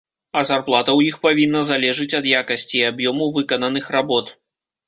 А зарплата ў іх павінна залежыць ад якасці і аб'ёму выкананых работ.